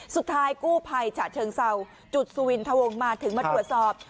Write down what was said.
สุดท้ายซั่วเจอเฉิงเสาจุดซวินทะวงมาถึงมาตรวจสอบ